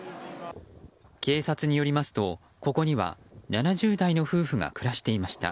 警察によりますと、ここには７０代の夫婦が暮らしていました。